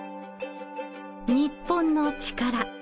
『日本のチカラ』